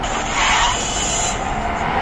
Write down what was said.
ژوند که ورته غواړې وایه وسوځه ..